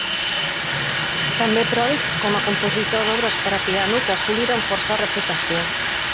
També pròdig com a compositor d'obres per a piano que assoliren força reputació.